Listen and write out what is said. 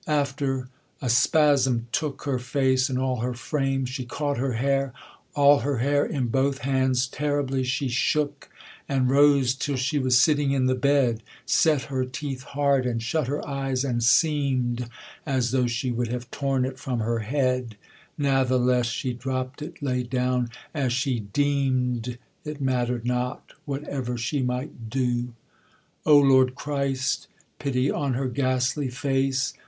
After, a spasm took Her face, and all her frame, she caught her hair, All her hair, in both hands, terribly she shook, And rose till she was sitting in the bed, Set her teeth hard, and shut her eyes and seem'd As though she would have torn it from her head, Natheless she dropp'd it, lay down, as she deem'd It matter'd not whatever she might do: O Lord Christ! pity on her ghastly face!